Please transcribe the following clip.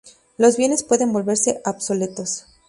Los bienes pueden volverse obsoletos.